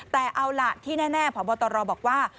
แต่เอาล่ะที่แน่พบตรบอกว่า